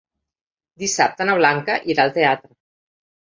Dissabte na Blanca irà al teatre.